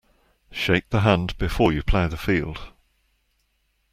Shake the hand before you plough the field.